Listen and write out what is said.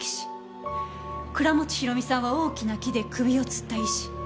倉持広美さんは大きな「木」で首をつった縊死。